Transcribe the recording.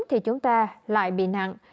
thì chúng ta lại bị nặng